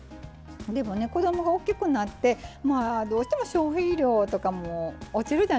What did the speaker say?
でもね子どもが大きくなってどうしても消費量とかも落ちるじゃないですか。